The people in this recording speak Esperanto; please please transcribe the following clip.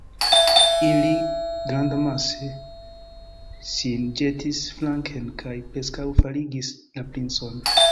Ili grandamase sin ĵetis flanken kaj preskaŭ faligis la princon.